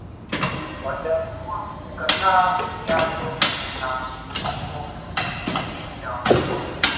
Waliamua kukataa manyanyaso na masumbuko dhidi ya wakoloni